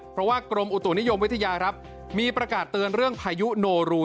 เพราะว่ากรมอุตุนิยมวิทยาครับมีประกาศเตือนเรื่องพายุโนรู